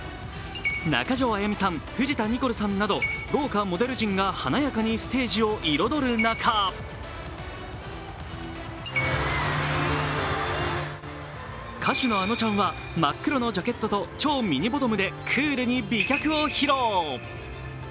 中条あやみさん、藤田ニコルさんなど豪華モデル陣が華やかにステージを彩る中歌手のあのちゃんは真っ黒のジャケットと超ミニボトムでクールに美脚を披露。